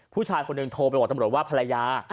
ผู้ชายคนหนึ่งโทรไปบอกตำรวจว่าภรรยา